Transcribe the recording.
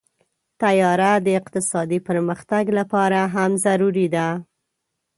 طیاره د اقتصادي پرمختګ لپاره هم ضروري ده.